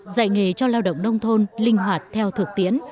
dạy nghề cho lao động nông thôn linh hoạt theo thực tiễn